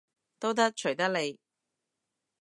都得，隨得你